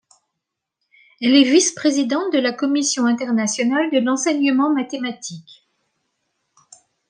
Elle est vice-présidente de la Commission internationale de l'enseignement mathématique.